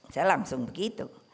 saya langsung begitu